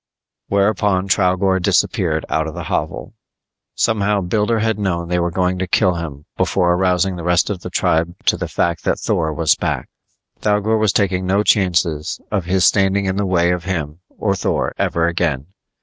Whereupon Thougor disappeared out of the hovel. Somehow Builder had known they were going to kill him before arousing the rest of the tribe to the fact that Thor was back. Thougor was taking no chances of his standing in the way of him or Thor ever again.